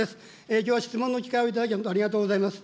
きょうは質問の機会を頂き、本当にありがとうございます。